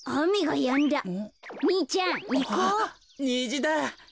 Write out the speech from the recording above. にじだ！